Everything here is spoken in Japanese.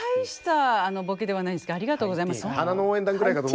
ありがとうございます。